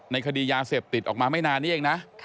คดียาเสพติดออกมาไม่นานนี้เองนะ